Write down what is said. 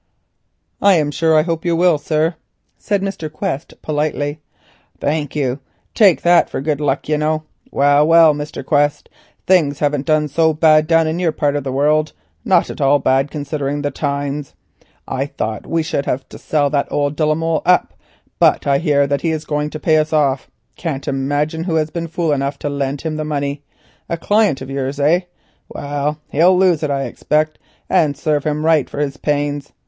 "I am sure I hope you will, sir," said Mr. Quest politely. "Thank you; take that for good luck, you know. Well, well, Mr. Quest, things haven't done so bad down in your part of the world; not at all bad considering the times. I thought we should have had to sell that old de la Molle up, but I hear that he is going to pay us off. Can't imagine who has been fool enough to lend him the money. A client of yours, eh? Well, he'll lose it I expect, and serve him right for his pains.